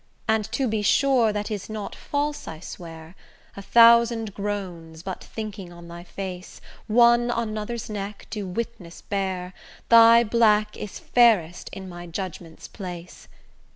And to be sure that is not false I swear, A thousand groans, but thinking on thy face, One on another's neck, do witness bear Thy black is fairest in my judgment's place.